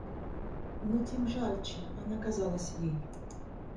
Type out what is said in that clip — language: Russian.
Но тем жалче она казалась ей.